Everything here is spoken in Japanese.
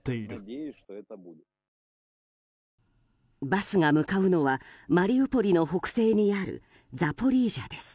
バスが向かうのはマリウポリの北西にあるザポリージャです。